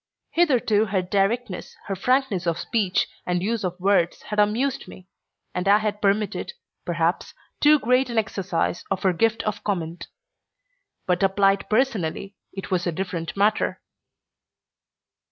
Hitherto her directness, her frankness of speech and use of words, had amused me, and I had permitted, perhaps, too great an exercise of her gift of comment; but applied personally it was a different matter.